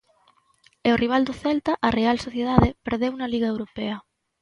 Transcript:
E o rival do Celta, a Real Sociedade, perdeu na Liga Europa.